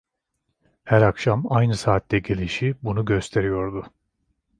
Her akşam aynı saatte gelişi bunu gösteriyordu.